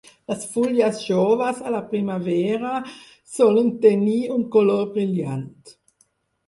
Les fulles joves a la primavera solen tenir un color brillant.